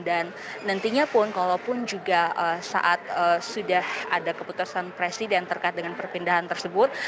dan nantinya pun kalaupun juga saat sudah ada keputusan presiden terkait dengan perpindahan tersebut